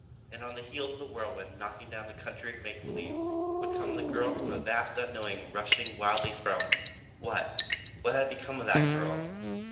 And on the heels of the whirlwind knocking down the country of make believe would come the girl from a vast unknown rushing wildly from what? What had become of that girl?